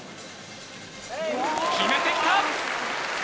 決めて来た！